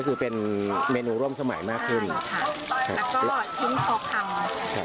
คือเป็นเมนูร่วมสมัยมากขึ้นใช่ค่ะแล้วก็ชิ้นพอคำครับ